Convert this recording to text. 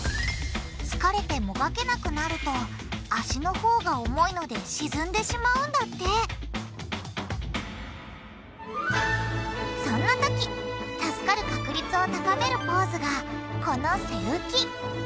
疲れてもがけなくなると足のほうが重いので沈んでしまうんだってそんな時助かる確率を高めるポーズがこの背浮き。